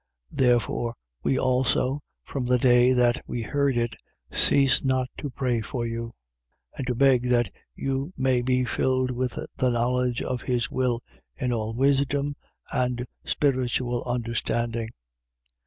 1:9. Therefore we also, from the day that we heard it, cease not to pray for you and to beg that you may be filled with the knowledge of his will, in all wisdom and spiritual understanding: 1:10.